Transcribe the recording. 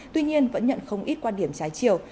tuy nhiên vẫn nhận không ít quan điểm trái chiều